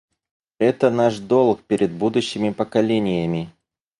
Это наш долг перед будущими поколениями.